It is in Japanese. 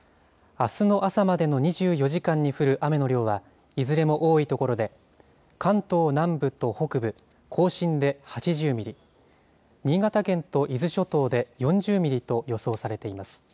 あすの朝までの２４時間に降る雨の量は、いずれも多い所で、関東南部と北部、甲信で８０ミリ、新潟県と伊豆諸島で４０ミリと予想されています。